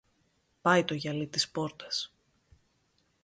Πάει το γυαλί της πόρτας.